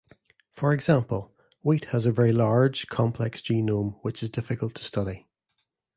For example, wheat has a very large, complex genome which is difficult to study.